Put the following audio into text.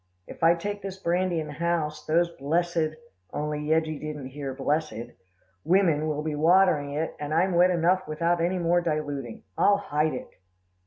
'If I take this brandy in the house, those blessed' only Yeggie didn't hear blessed 'women will be watering it, and I'm wet enough without any more diluting. I'll hide it.